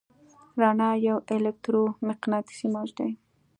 رڼا یو الکترومقناطیسي موج دی.